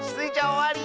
おわり！